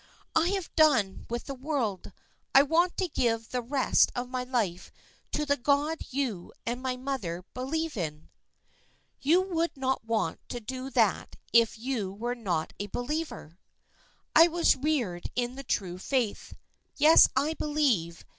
I have done with the world. I want to give the rest of my life to the God you and my mother believe in." "You would not want to do that if you were not a believer." "I was reared in the true faith. Yes, I believe.